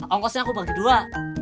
ongkosnya aku bagi dua